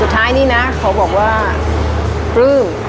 ท้ายนี้นะเขาบอกว่าปลื้ม